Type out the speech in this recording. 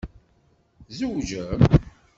Tzewǧem?